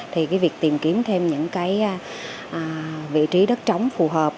thì cái việc tìm kiếm thêm những cái vị trí đất trống phù hợp